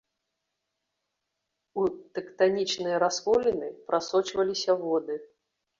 У тэктанічныя расколіны прасочваліся воды.